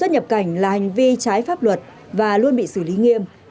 hành vi trái pháp luật và luôn bị xử lý nghiêm